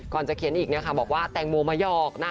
ก่อนจะเขียนอีกบอกว่าแตงโมมาหยอกนะ